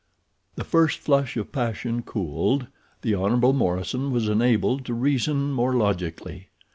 The first flush of passion cooled, the Hon. Morison was enabled to reason more logically.